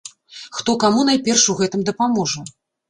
Хто каму найперш у гэтым дапаможа?